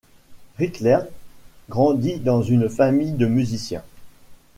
Rick Laird grandit dans une famille de musiciens.